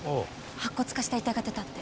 白骨化した遺体が出たって。